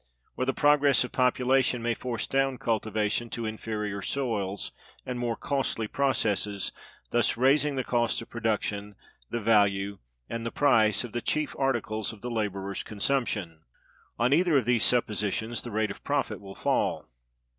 Or the progress of population may force down cultivation to inferior soils and more costly processes; thus raising the cost of production, the value, and the price, of the chief articles of the laborer's consumption. On either of these suppositions the rate of profit will fall.